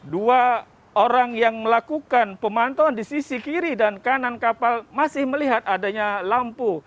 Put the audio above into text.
dua orang yang melakukan pemantauan di sisi kiri dan kanan kapal masih melihat adanya lampu